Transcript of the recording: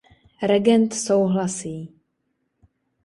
Regent souhlasí.